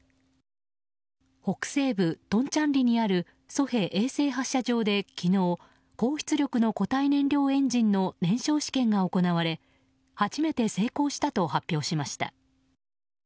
北西部トンチャンリにあるソヘ衛星発射場で昨日高出力の固体燃料エンジンの燃焼試験が行われ初めて成功したと発表しました。